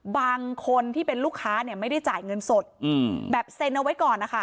บางคนที่เป็นลูกค้าเนี่ยไม่ได้จ่ายเงินสดแบบเซ็นเอาไว้ก่อนนะคะ